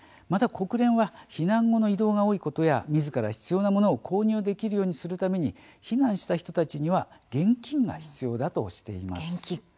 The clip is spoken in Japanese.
また、国連は避難後の移動が多いことやみずから必要なものを購入できるようにするために避難した人たちには現金が必要だとしています。